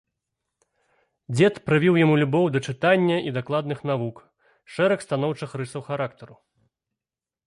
Дзед прывіў яму любоў да чытання і дакладных навук, шэраг станоўчых рысаў характару.